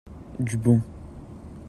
Du bon.